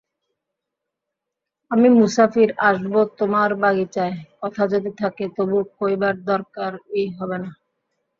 আমি মুসাফির আসব তোমার বাগিচায়, কথা যদি থাকে তবু কইবার দরকারই হবে না।